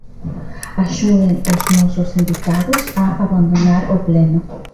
Axuden os nosos invitados a abandonar o pleno.